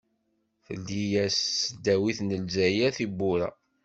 Teldi-as-d tesdawit n Lezzayer tiwwura.